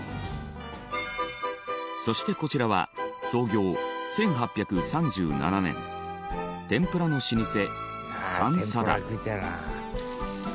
そしてこちらは創業１８３７年天ぷらの老舗三定。